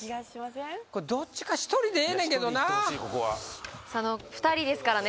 これどっちか１人でええねんけどな２人ですからね